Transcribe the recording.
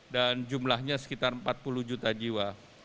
dan jumlahnya sekitar empat puluh juta jiwa